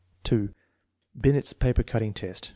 Binet's paper cutting test.